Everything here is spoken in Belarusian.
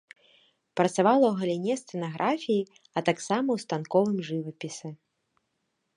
Працавала ў галіне сцэнаграфіі, а таксама ў станковым жывапісе.